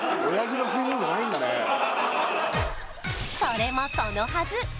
それもそのはず